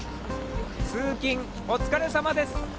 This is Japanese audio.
通勤お疲れさまです